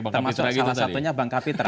termasuk salah satunya bang kapitra